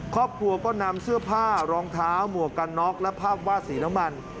ครอบครัวก็นำเสื้อผ้ารองเท้าหมวกกันน็อกและภาพวาดสีน้ำมัน